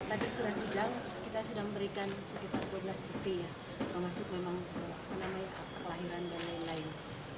tadi sudah sidang terus kita sudah memberikan sekitar dua belas bukti ya termasuk memang kelahiran dan lain lain